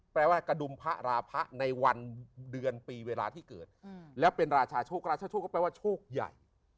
แปลว่ากระดุมพระราพะในวันเดือนปีเวลาที่เกิดแล้วเป็นราชาโชคราชาโชคก็แปลว่าโชคใหญ่